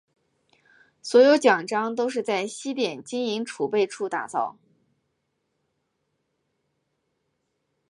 所有奖章都是在西点金银储备处打造。